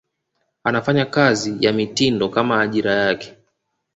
anafanya kazi ya mitindo Kama ajira yake